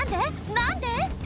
何で？